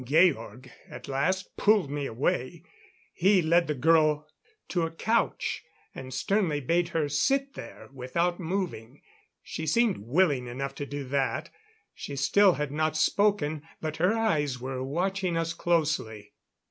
Georg, at last, pulled me away; he led the girl to a couch and sternly bade her sit there without moving. She seemed willing enough to do that; she still had not spoken, but her eyes were watching us closely. Dr.